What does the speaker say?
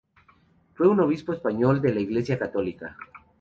Fue un obispo español de la Iglesia católica.